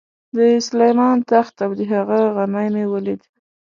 د سلیمان تخت او د هغه غمی مې ولید.